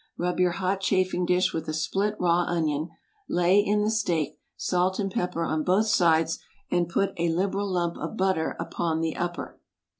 Rub your hot chafing dish with a split raw onion, lay in the steak, salt and pepper on both sides, and put a liberal lump of butter upon the upper.